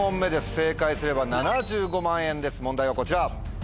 正解すれば７５万円です問題はこちら。